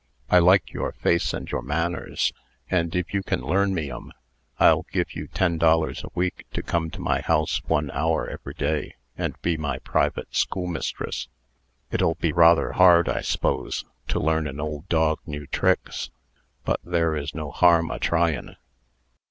I like your face and your manners, and if you can learn me 'em, I'll give you ten dollars a week to come to my house one hour every day, and be my private schoolmistress. It'll be rather hard, I s'pose, to learn an old dog new tricks; but there is no harm a tryin'."